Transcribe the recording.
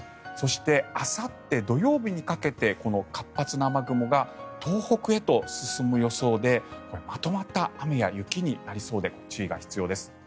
そして、あさって土曜日にかけてこの活発な雨雲が東北へと進む予想でまとまった雨や雪になりそうで注意が必要です。